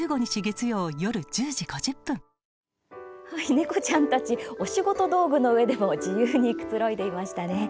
猫ちゃんたちお仕事道具の上でも自由にくつろいでいましたね。